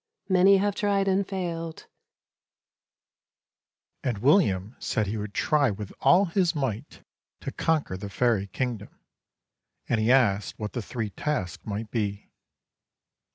Many have tried and failed." And William said he would try with all his might to conquer the faery kingdom, and he asked what the three tasks might be.